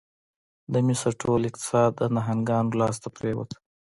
د مصر ټول اقتصاد د نهنګانو لاس ته پرېوت.